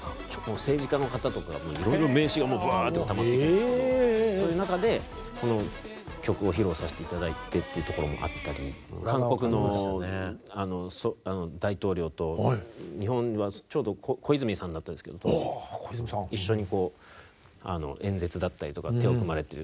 政治家の方とかいろいろ名刺がぶわっとたまっていくんですけどそういう中でこの曲を披露させて頂いてっていうところもあったり韓国の大統領と日本は小泉さんだったんですけど一緒に演説だったりとか手を組まれてる。